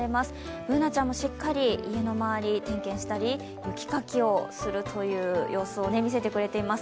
Ｂｏｏｎａちゃんもしっかり家の周り点検したり雪かきをするという様子を見せてくれています。